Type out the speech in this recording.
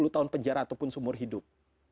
dua puluh tahun penjara ataupun seumur hidup